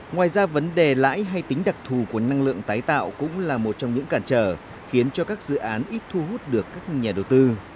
ngoài ra vấn đề lãi hay tính đặc thù của năng lượng tái tạo cũng là một trong những cản trở khiến cho các dự án ít thu hút được các nhà đầu tư